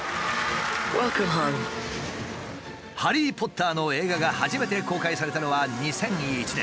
「ハリー・ポッター」の映画が初めて公開されたのは２００１年。